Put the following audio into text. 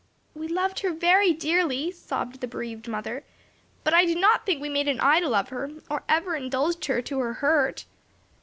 "We loved her very dearly," sobbed the bereaved mother, "but I do not think we made an idol of her, or ever indulged her to her hurt."